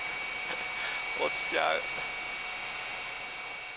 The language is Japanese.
落ちちゃう。